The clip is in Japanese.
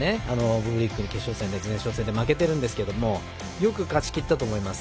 決勝戦の前哨戦で負けてるんですけどよく勝ちきったと思います。